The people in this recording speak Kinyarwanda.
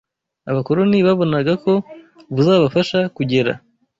abakoloni babonaga ko buzabafasha kugera